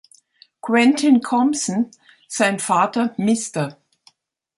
Quentin Compson, sein Vater Mr.